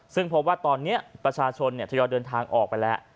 ซึ่งพบว่าตอนนี้ประชาชนทยอยเดินทางออกไปแล้ว